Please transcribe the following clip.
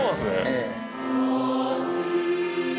ええ。